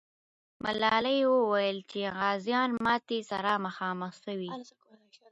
ملالۍ وویل چې غازیان ماتي سره مخامخ سوي.